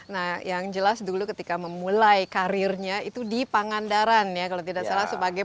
nah yang jelas dulu ketika memulai karirnya itu di pangandaran ya kalau tidak salah sebagai